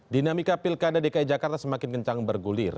dinamika pilkada dki jakarta semakin kencang bergulir